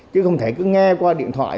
chứ không thể cứ nghe qua điện thoại